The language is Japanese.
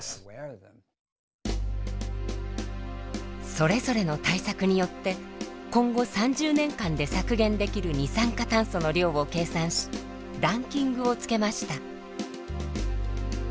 それぞれの対策によって今後３０年間で削減できる二酸化炭素の量を計算しランキングをつけました。